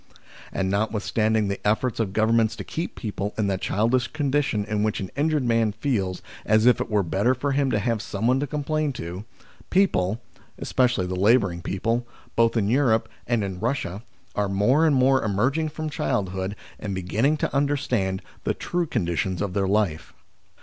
And, notwithstand ing the efforts of Governments to keep people 96 THE SLAVERY OF OUR TIMES in that childish condition in which an injured man feels as if it were better for him to have someone to complain to, people especially the labouring people, both in Europe and in Eussia are more and more emerging from childhood and beginning to understand the true conditions of their life.